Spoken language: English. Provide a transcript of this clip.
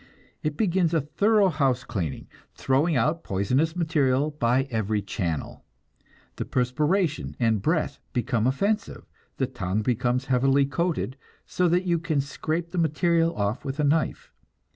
It begins a thorough house cleaning, throwing out poisonous material by every channel. The perspiration and the breath become offensive, the tongue becomes heavily coated, so that you can scrape the material off with a knife.